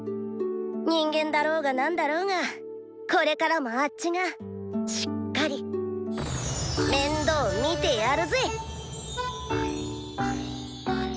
人間だろうがなんだろうがこれからもあッチがしっかり面倒みてやるぜ！